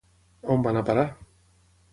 On va anar a parar?